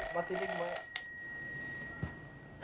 mati dingin banget